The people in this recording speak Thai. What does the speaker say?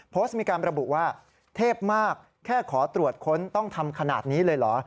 โพสต์มีการระบุว่าเทพมากแค่ขอตรวจค้นต้องทำขนาดนี้เลยเหรอ